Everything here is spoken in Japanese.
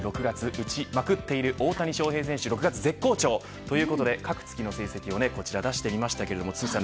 ６月打ちまくっている大谷翔平選手、６月絶好調ということで各月の成績を出してみました。